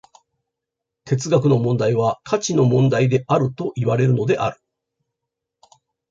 哲学の問題は価値の問題であるといわれるのである。